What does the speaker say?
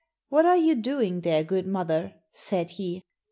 "What are you doing there, good mother?" said he.